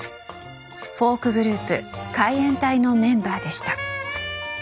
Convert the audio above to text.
フォークグループ海援隊のメンバーでした。